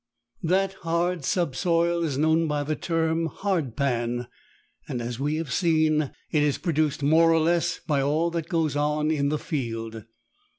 That hard subsoil is known by the term "hard pan," and, as we have seen, it is produced more or less by all that goes on in the field.